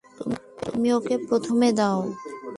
তুমি ওকে প্রথমে দাও।